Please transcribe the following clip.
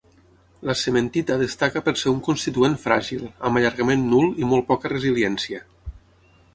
La cementita destaca per ser un constituent fràgil, amb allargament nul i molt poca resiliència.